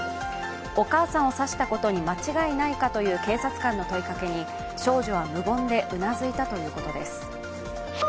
お母さんを刺したことに間違いないかという警察官の問いかけに少女は無言でうなずいたということです。